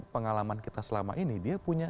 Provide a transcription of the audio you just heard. pengalaman kita selama ini dia punya